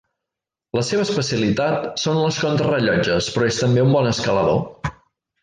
La seva especialitat són les contrarellotges, però és també un bon escalador.